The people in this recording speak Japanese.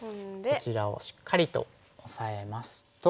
こちらをしっかりとオサえますと。